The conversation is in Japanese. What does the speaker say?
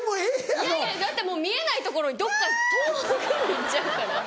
いやいやだってもう見えない所にどっか遠くに行っちゃうから。